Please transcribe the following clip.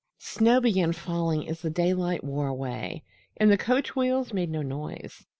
Snow began falling as the daylight wore away, and the coach wheels made no noise.